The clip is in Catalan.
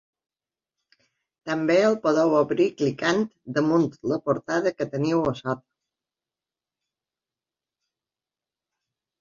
També el podeu obrir clicant damunt la portada que teniu a sota.